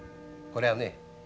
これはね